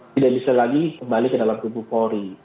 tidak bisa lagi kembali ke dalam tubuh polri